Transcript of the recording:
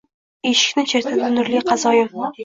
eshikni chertadi nurli qazoyim.